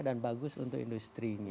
dan bagus untuk industri